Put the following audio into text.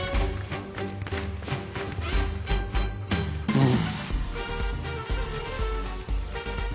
うん。